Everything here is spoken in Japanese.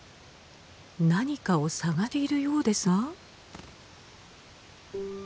何かを探しているようですが？